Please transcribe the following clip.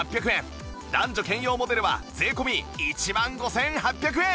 男女兼用モデルは税込１万５８００円